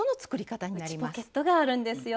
内ポケットがあるんですよ。